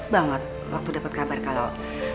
banget waktu dapat kabar kalau